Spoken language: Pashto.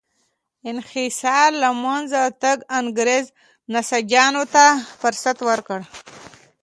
انحصار له منځه تګ انګرېز نساجانو ته فرصت ورکړ.